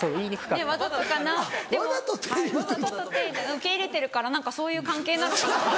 受け入れてるから何かそういう関係なのかなと。